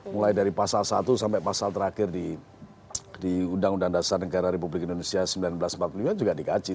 mulai dari pasal satu sampai pasal terakhir di undang undang dasar negara republik indonesia seribu sembilan ratus empat puluh lima juga dikaji